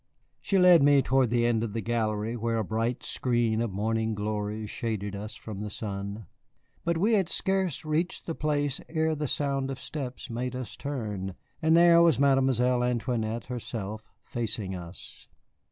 She led me toward the end of the gallery, where a bright screen of morning glories shaded us from the sun. But we had scarce reached the place ere the sound of steps made us turn, and there was Mademoiselle Antoinette herself facing us.